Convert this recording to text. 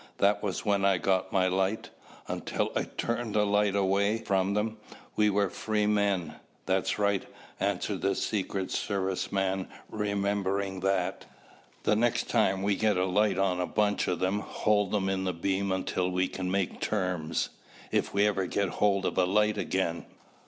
That was when I got my light. Until I turned the light away from them, we were free men." "That's right," answered the secret service man. "Remember that. The next time we get a light on a bunch of them, hold them in the beam until we can make terms." "If we ever get hold of a light again."